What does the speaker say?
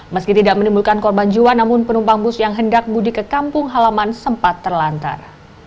meski tidak menimbulkan korban jiwa namun penumpang bus yang hendak mudik ke kampung halaman sempat terlantar